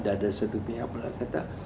ada satu pihak berkata